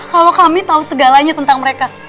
kalau kami tahu segalanya tentang mereka